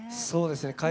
そうですね。